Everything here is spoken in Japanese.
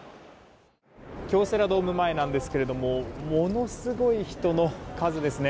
京セラドーム前なんですけどもものすごい人の数ですね。